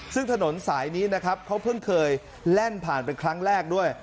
ซึ่งถนนสายนี้นะครับเขาเพิ่งเคยแล่นผ่านไปครั้งแรกด้วย